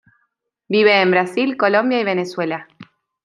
Vive en Brasil, Colombia y Venezuela.